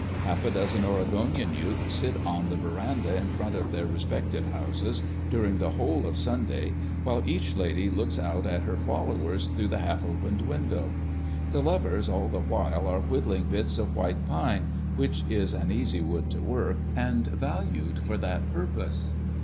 Half a dozen Oregonian youths sit on the verandah in front of their re spective houses during the whole of Sunday, while each lady looks out at her followers through the half opened window. The lovers all the while are whittling bits of white pine, which is an easy wood to work, and valued for that purpose.